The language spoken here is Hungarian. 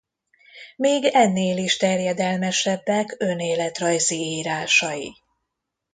Még ennél is terjedelmesebbek önéletrajzi írásai.